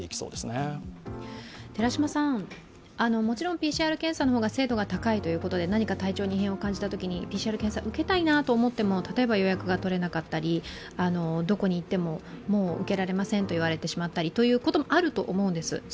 もちろんＰＣＲ検査の方が精度が高いということで、何か体調に異変を感じたときにＰＣＲ検査受けたいなと思っても例えば予約が取れなかったり、どこに行っても、もう受けられませんと言われてしまうこともあると思うんです。